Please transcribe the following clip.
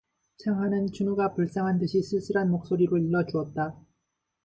창하는 춘우가 불쌍한 듯이 쓸쓸한 목소리로 일러 주었다.